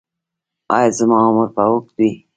ایا زما عمر به اوږد وي؟